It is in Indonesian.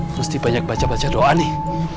mesti banyak baca baca doa nih